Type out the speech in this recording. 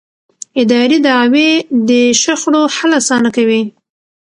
اداري دعوې د شخړو حل اسانه کوي.